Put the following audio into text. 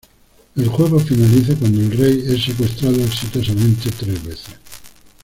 El juego finaliza cuando el rey fue secuestrado exitosamente tres veces.